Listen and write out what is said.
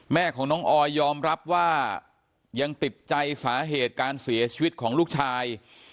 แม่ของน้องออยยอมรับว่ายังติดใจสาเหตุการเสียชีวิตของลูกชาย